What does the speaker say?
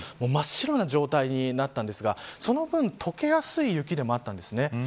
真っ白な状態になったんですがその分、解けやすい雪でもあったんです。